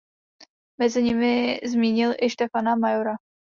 Mezi nimi zmínil i Štefana Majora.